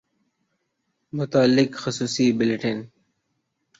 متعلق خصوصی بلیٹن